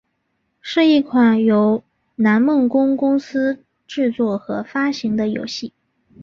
是一款由南梦宫公司制作和发行的游戏。